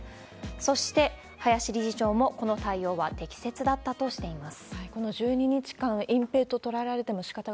そして、林理事長もこの対応は適切だったとしています。